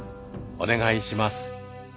お願いします。